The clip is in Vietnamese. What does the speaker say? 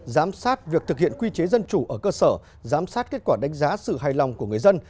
giám sát việc thực hiện quy chế dân chủ ở cơ sở giám sát kết quả đánh giá sự hài lòng của người dân